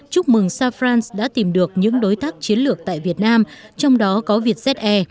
chúc mừng sao france đã tìm được những đối tác chiến lược tại việt nam trong đó có việt ze